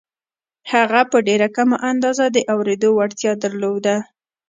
هغه په ډېره کمه اندازه د اورېدو وړتيا درلوده.